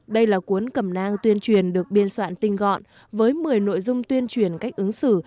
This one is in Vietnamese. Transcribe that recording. đây là cuốn cẩm nang tuyên truyền được biên soạn tinh gọn với một mươi nội dung tuyên truyền cách ứng xử